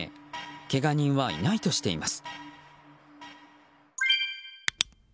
けが人はいないとしています。